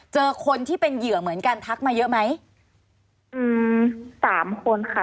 เจอคนที่เป็นเหยื่อเหมือนกันทักมาเยอะไหมอืมสามคนค่ะ